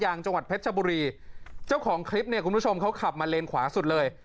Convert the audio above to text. จังหวัดเพชรชบุรีเจ้าของคลิปเนี่ยคุณผู้ชมเขาขับมาเลนขวาสุดเลย